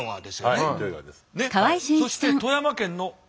ねっそして富山県の。